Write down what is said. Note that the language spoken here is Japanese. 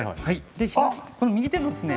で左この右手のですね